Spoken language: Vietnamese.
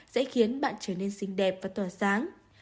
sẽ khiến bạn trở nên xinh đẹp và tỏa sáng